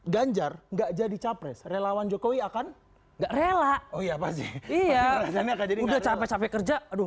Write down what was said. ganjar nggak jadi capres relawan jokowi akan nggak rela oh ya pasti iya udah capek capek kerja aduh